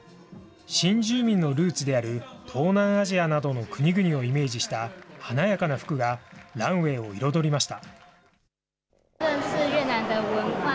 新住民のルーツである東南アジアなどの国々をイメージした華やかな服が、ランウエーを彩りました。